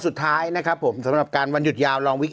สุดท้ายนะครับผมสำหรับการวันหยุดยาวลองวิก